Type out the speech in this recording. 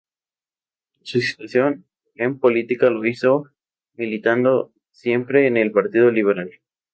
Su actuación en política lo hizo militando siempre en el partido liberal.